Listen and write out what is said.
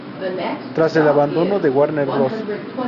Tras el abandono de Warner Bros.